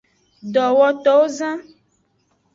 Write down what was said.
Dowotowozan.